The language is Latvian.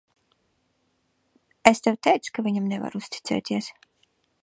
Es tev teicu, ka viņam nevar uzticēties.